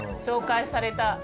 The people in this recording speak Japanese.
紹介された。